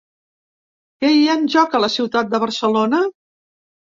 Què hi ha en joc a la ciutat de Barcelona?